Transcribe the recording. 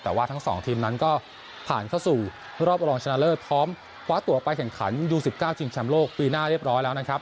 แต่ว่าทั้งสองทีมนั้นก็ผ่านเข้าสู่รอบรองชนะเลิศพร้อมคว้าตัวไปแข่งขันยู๑๙ชิงแชมป์โลกปีหน้าเรียบร้อยแล้วนะครับ